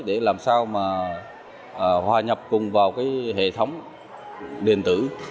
để làm sao mà hòa nhập cùng vào hệ thống điện tử